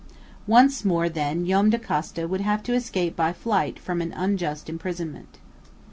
Once more, then, Joam Dacosta would have to escape by flight from an unjust imprisonment.